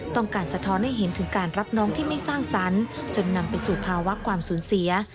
สะท้อนให้เห็นถึงการรับน้องที่ไม่สร้างสรรค์จนนำไปสู่ภาวะความสูญเสีย